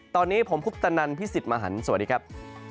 ตอนนี้ผมคุปตนันพี่สิทธิ์มหันฯสวัสดีครับ